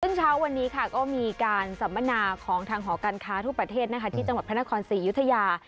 ซึ่งเช้าวันนี้ค่ะก็มีการสัมมนาของทางหอการค้าทุกประเทศที่จังหวัดพระนครศรีอยุธยา